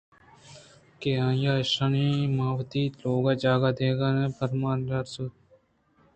کہ آئی ءَ ایشاناں ماں وتی لوگ ءَ جاگہ دئیان ءَ پرآہاں آسے روک کُت